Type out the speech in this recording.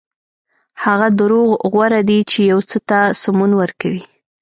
هغه دروغ غوره دي چې یو څه ته سمون ورکوي.